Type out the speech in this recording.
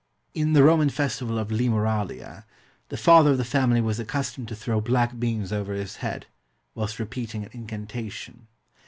In the Roman festival of Lemuralia, the father of the family was accustomed to throw black beans over his head, whilst repeating an incantation.